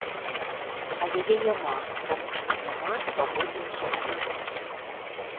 А яе няма, таму што няма свабоднай зямлі.